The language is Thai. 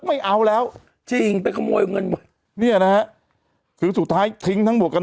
ไม่เอาแล้วจริงไปขโมยเงินมาเนี่ยนะฮะคือสุดท้ายทิ้งทั้งหวกกัน